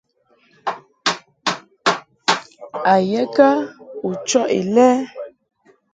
A ye kə u chɔʼ Ilɛ?